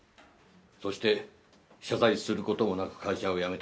そして謝罪する事もなく会社を辞めた。